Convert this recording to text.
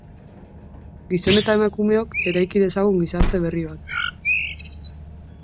Gizon eta emakumeok eraiki dezagun gizarte berri bat.